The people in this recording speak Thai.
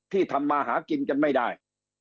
ที่ทำมาหากินจะไม่ได้